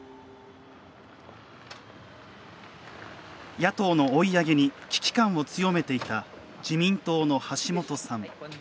野党の追い上げに危機感を強めていた自民党の橋本さん。